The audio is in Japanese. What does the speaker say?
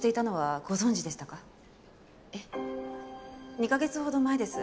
２カ月ほど前です。